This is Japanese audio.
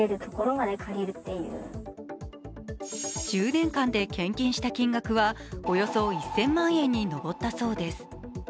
１０年間で献金した金額はおよそ１０００万円に上ったそうです。